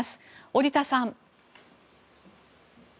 織田さん。